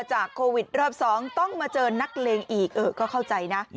จากโควิด๒ต้องมาเจอนักเลงอีกก็เข้าใจนะ